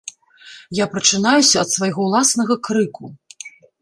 Я прачынаюся ад свайго ўласнага крыку.